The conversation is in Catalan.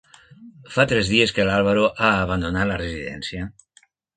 Fa tres dies que l'Álvaro ha abandonat la residència.